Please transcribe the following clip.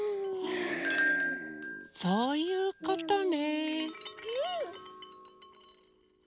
そういうことね。